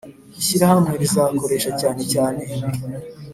ishyirahamwe rizakoresha cyane cyane ibi